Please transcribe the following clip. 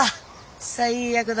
最悪だ！